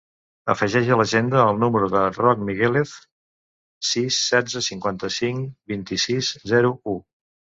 Afegeix a l'agenda el número del Roc Miguelez: sis, setze, cinquanta-cinc, vint-i-sis, zero, u.